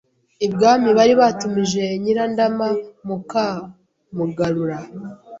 ibwami bari batumije Nyirandama muka Mugarura